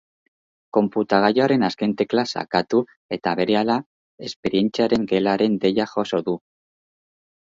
Konputagailuaren azken tekla sakatu eta berehala, esperientziaren gelaren deia jaso du.